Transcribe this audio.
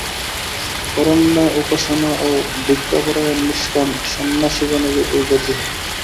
অরণ্যে উপাসনা ও ভিক্ষাপরায়ণ নিষ্কাম সন্ন্যাসিগণেরই এই গতি হয়।